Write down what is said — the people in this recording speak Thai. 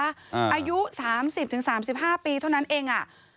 อายุ๓๐๓๕ปีเท่านั้นเอง